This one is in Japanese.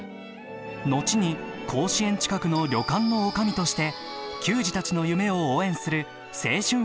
後に甲子園近くの旅館の女将として球児たちの夢を応援する青春奮闘記です。